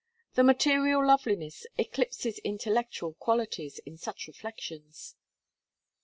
The material loveliness eclipses intellectual qualities in such reflections.